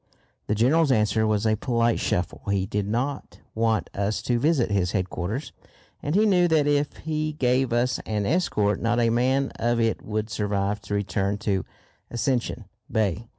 The General's answer was a polite shuffle. He did not want us to visit his headquarters, and he knew that if he gave us an escort not a man of it would survive to return to Ascension Bay.